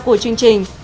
của chương trình